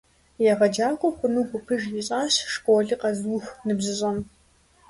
ЕгъэджакӀуэ хъуну гупыж ищӀащ школыр къэзыух ныбжьыщӀэм.